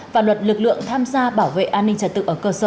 và luật lực lượng tham gia bảo vệ an ninh trật tự